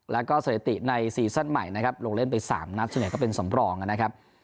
แล้วก็สถิติในซีซั่นใหม่นะครับลงเล่นไป๓นัดส่วนใหญ่ก็เป็นสำรองนะครับ